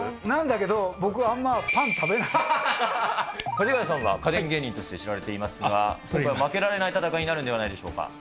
なんだけど、僕、あんまパンかじがやさんは、家電芸人として知られていますが、今回負けられない戦いになるんではないでしょうか。